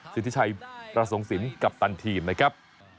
สิทธิชัยประสงค์สินกัปตันทีมนะครับ